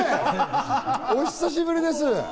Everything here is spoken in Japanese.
お久しぶりです！